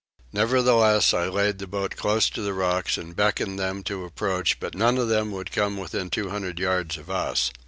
Nevertheless I laid the boat close to the rocks and beckoned to them to approach but none of them would come within 200 yards of us.